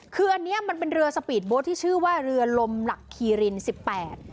คืออันเนี้ยมันเป็นเรือสปีดโบ๊ทที่ชื่อว่าเรือลมหลักคีรินสิบแปด